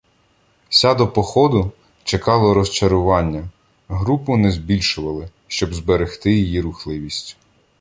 ся до походу, чекало розчарування: групу не збільшували, щоб зберегти її рухливість.